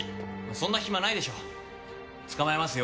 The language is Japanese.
そんな暇ないでしょ捕まえますよ